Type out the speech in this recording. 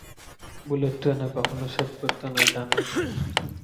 Bullet ট্রেনে কখনো shave করতে নেই, জানোই তো।